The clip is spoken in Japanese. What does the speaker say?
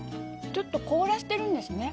ちょっと凍らせてるんですね。